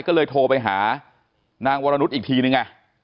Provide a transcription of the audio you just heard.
ก็เลยโทรไปหานางวรนุษย์อีกทีนึง